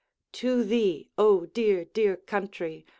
To thee, O dear, dear country!